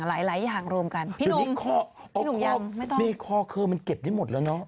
หลายหลายอย่างรวมกันพี่นุ่มพี่นุ่มยังไม่ต้องนี่คอเคอร์มันเก็บได้หมดแล้วเนอะ